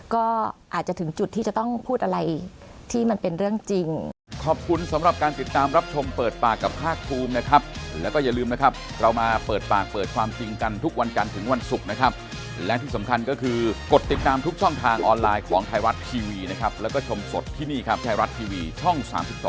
ก็อาจจะถึงจุดที่จะต้องพูดอะไรที่มันเป็นเรื่องจริง